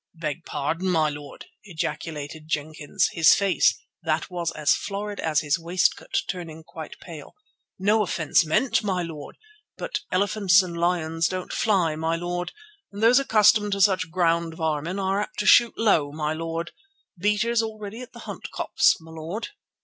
"Beg pardon, my lord," ejaculated Jenkins, his face, that was as florid as his waistcoat, turning quite pale; "no offence meant, my lord, but elephants and lions don't fly, my lord, and those accustomed to such ground varmin are apt to shoot low, my lord. Beaters all ready at the Hunt Copse, my lord."